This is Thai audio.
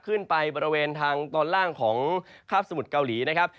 ขึ้นไปบริเวณทางตอนล่างของคาบสมุทรเกาหลีนะครับ